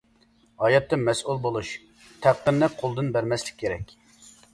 ھاياتقا مەسئۇل بولۇش، تەقدىرنى قولدىن بەرمەسلىك كېرەك.